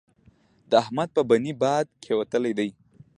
د احمد په بنۍ باد کېوتلی دی.